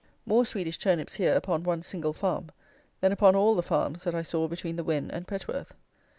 More Swedish turnips here upon one single farm than upon all the farms that I saw between the Wen and Petworth.